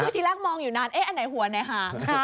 ที่แรกมองอยู่นานเอ๊ะอันไหนหัวไหนฮะ